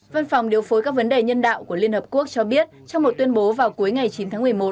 văn phòng điều phối các vấn đề nhân đạo của liên hợp quốc cho biết trong một tuyên bố vào cuối ngày chín tháng một mươi một